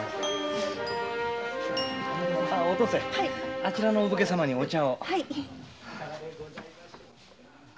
あちらのお武家様にお茶を。